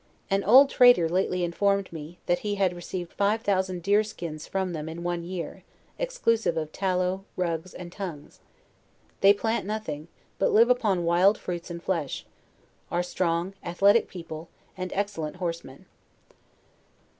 An old trader lately informed me, that he had received five thousand deer skins from them in one year, ex clusive of tallow, rugs and tongues. They plant nothing, but live upon wild fruits and flesh: are strong, athletic peo ple, and excellent horsemen.